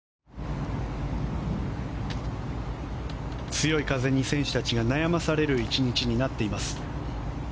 強い風に選手たちが悩まされる１日になっています。